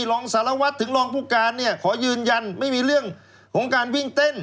รองสารวัตรถึงรองผู้การเนี่ยขอยืนยันไม่มีเรื่องของการวิ่งเต้น